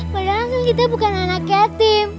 padahal kita bukan anak yatim